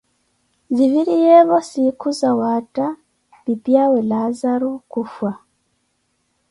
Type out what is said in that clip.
Ziviriyevo siikhu zawaatha, pipaawe Laazaro kufwa